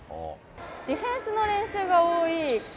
ディフェンスの練習が多い感